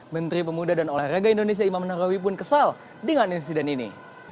menteri pemuda dan olahraga indonesia imam nahrawi pun kesal dengan insiden ini